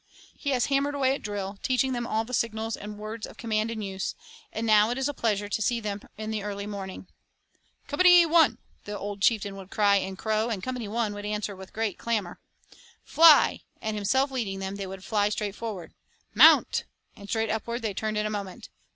He has hammered away at drill, teaching them all the signals and words of command in use, and now it is a pleasure to see them in the early morning. 'Company I!' the old chieftain would cry in crow, and Company I would answer with a great clamor. 'Fly!' and himself leading them, they would all fly straight forward. 'Mount!' and straight upward they turned in a moment.